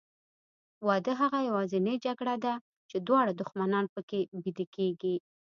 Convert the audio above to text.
واده هغه یوازینۍ جګړه ده چې دواړه دښمنان پکې بیده کېږي.